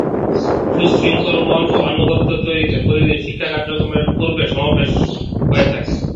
সুশৃঙ্খল মন ও আনুগত্য তৈরিতে, প্রতিদিন শিক্ষা কার্যক্রমের পূর্বে সমাবেশ হয়ে থাকে।